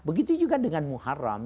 begitu juga dengan muharam